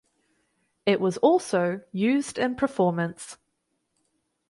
It was also used in performance.